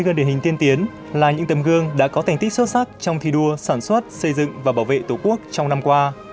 sáu gương điển hình tiên tiến là những tầm gương đã có thành tích xuất sắc trong thi đua sản xuất xây dựng và bảo vệ tổ quốc trong năm qua